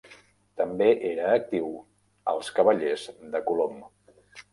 També era actiu als Cavallers de Colom.